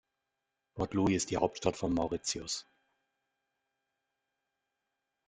Port Louis ist die Hauptstadt von Mauritius.